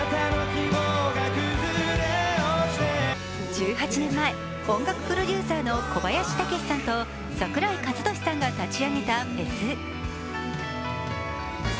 １８年前、音楽プロデューサーの小林武史さんと櫻井和寿さんが立ち上げたフェス。